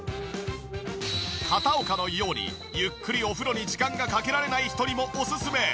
片岡のようにゆっくりお風呂に時間がかけられない人にもオススメ。